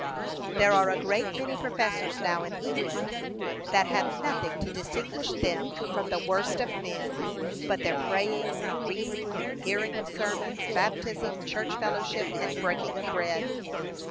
There are a great many professors now in England that have nothing to distinguish them from the worst of men, but their praying, reading, hearing of sermons, baptism, church fellowship, and breaking of bread.